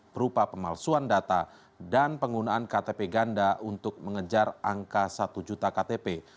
berupa pemalsuan data dan penggunaan ktp ganda untuk mengejar angka satu juta ktp